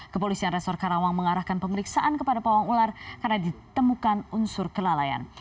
kepolisian resor karawang mengarahkan pemeriksaan kepada pawang ular karena ditemukan unsur kelalaian